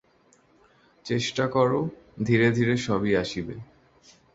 চেষ্টা কর, ধীরে ধীরে সবই আসিবে।